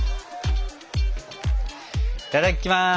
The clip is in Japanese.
いただきます。